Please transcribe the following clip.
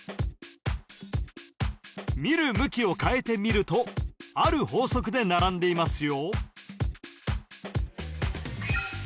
見る向きを変えてみるとある法則で並んでいますよ